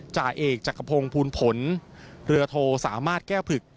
จ่าเอกจักรพงศ์ภูลผลเรือโทสามารถแก้วผึก